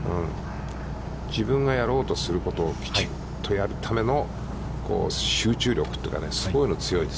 自分がやろうとすることをきちんとやるための集中力というか、すごい強いです。